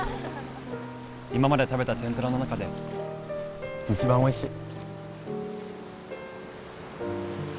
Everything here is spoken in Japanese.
今まで食べたてんぷらの中で一番おいしい。